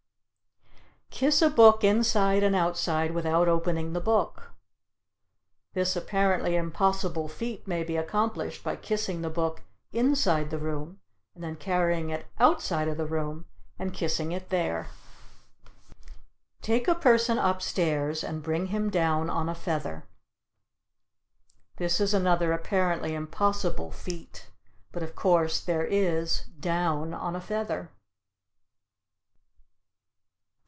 Kiss a Book Inside and Outside Without Opening the Book. This apparently impossible feat may be accomplished by kissing the book inside the room and then carrying it outside of the room and kissing it there. Take a Person Upstairs and Bring him Down on a Feather. This is another apparently impossible feat but of course there is "down on a feather."